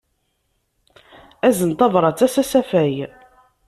Azen tabṛat-a s usafag.